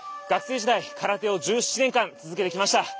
学生時代空手を１７年間続けてきました。